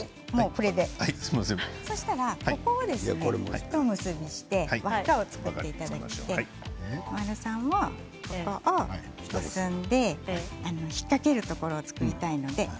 ひと結びして輪っかを作っていただいて華丸さんもここを結んで引っ掛けるところを作りたいので。